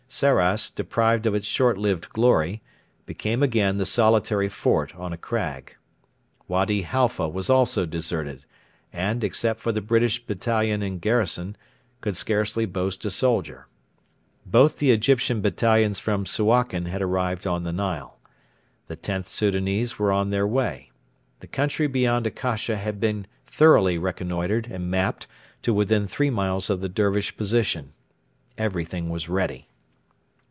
Sarras, deprived of its short lived glory, became again the solitary fort on a crag. Wady Halfa was also deserted, and, except for the British battalion in garrison, could scarcely boast a soldier. Both the Egyptian battalions from Suakin had arrived on the Nile. The Xth Soudanese were on their way. The country beyond Akasha had been thoroughly reconnoitred and mapped to within three miles of the Dervish position. Everything was ready.